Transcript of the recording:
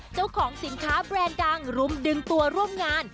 เจ้าของสินค้าแบรนด์ดังรุมดึงตัวร่วมงาน